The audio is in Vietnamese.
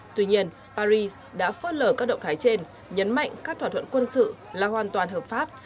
tuy nhiên paris đã phớt lờ các động thái trên nhấn mạnh các thỏa thuận quân sự là hoàn toàn hợp pháp